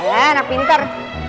ya anak pinter